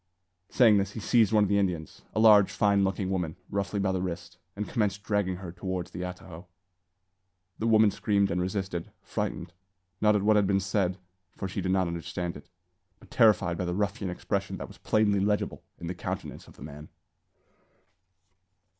Saying this, he seized one of the Indians, a large, fine looking woman, roughly by the wrist, and commenced dragging her towards the atajo. The woman screamed and resisted, frightened, not at what had been said, for she did not understand it, but terrified by the ruffian expression that was plainly legible in the countenance of the man.